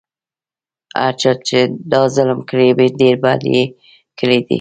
هر چا چې دا ظلم کړی ډېر بد یې کړي دي.